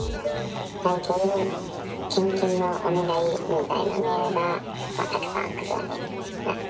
最近、献金のお願いみたいなメールがたくさん来るようになって。